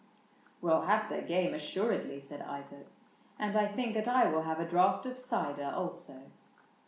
— "We'll have the game. Assuredly," said Isaac ;" and I think That I will have a draught of cider, also."